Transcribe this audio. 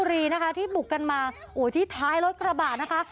รีนะคะที่บุกกันมาที่ท้ายรถกระบะนะคะ